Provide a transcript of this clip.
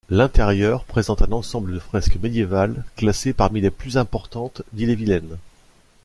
L'intérieur présente un ensemble de fresques médiévales classées parmi les plus importants d'Ille-et-Vilaine.